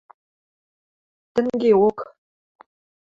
– Тӹнгеок...